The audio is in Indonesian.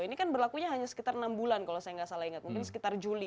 ini kan berlakunya hanya sekitar enam bulan kalau saya nggak salah ingat mungkin sekitar juli